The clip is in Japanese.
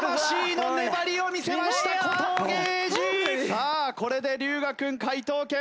さあこれで龍我君解答権。